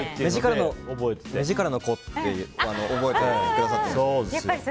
目力の子って覚えてくださって。